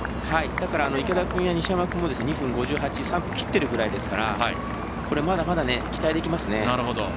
池田君や西山君も２分５８３分切っているぐらいですからまだまだ期待できますね。